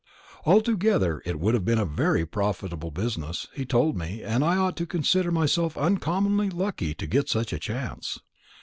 Altogether it would be a very profitable business, he told me, and I ought to consider myself uncommonly lucky to get such a chance.